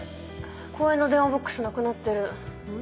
公園の電話ボックスなくなってん？